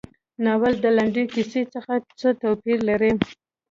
ناول له لنډې کیسې څخه څه توپیر لري.